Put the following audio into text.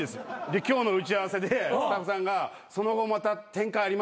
で今日の打ち合わせでスタッフさんが「その後また展開ありますか？」っつって。